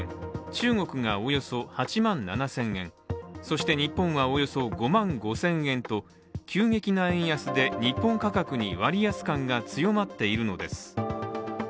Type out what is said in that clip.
中国がおよそ８万７０００円そして日本はおよそ５万５０００円と急激な円安で日本価格に割安感が強まっているのです。